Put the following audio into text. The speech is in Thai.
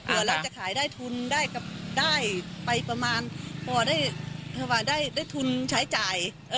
เราจะขายได้ทุนได้ไปประมาณพอได้ทุนใช้จ่าย